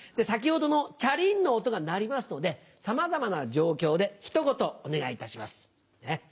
先ほどのチャリンの音が鳴りますので、さまざまな状況で、ひと言、お願いいたします。